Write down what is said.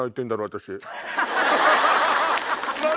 私。